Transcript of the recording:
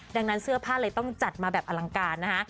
ดังนั้นเสื้อผ้าเลยต้องจัดมาแบบอลังการนะคะ